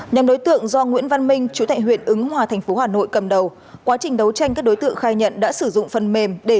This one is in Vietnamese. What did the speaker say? nhằm đối tượng do nguyễn văn minh chủ tịch huyện ứng hòa tp hà nội cầm đầu quá trình đấu tranh các đối tượng khai nhận đã sử dụng phần mềm